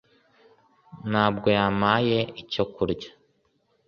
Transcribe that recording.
ntabwo yampaye icyo kurya